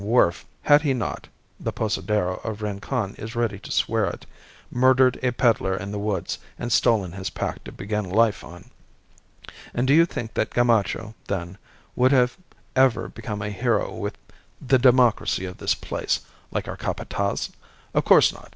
wharf had he not (the posadero of Rincon is ready to swear it) murdered a pedlar in the woods and stolen his pack to begin life on. And do you think that Gamacho, then, would have ever become a hero with the democracy of this place, like our Capataz? Of course not.